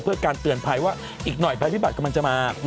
เพื่อการเตือนภัยว่าอีกหน่อยภัยพิบัตรกำลังจะมา